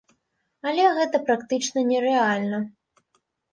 Але гэта практычна нерэальна.